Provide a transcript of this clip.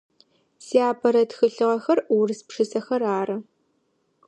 Сиапэрэ тхылъыгъэхэр урыс пшысэхэр ары.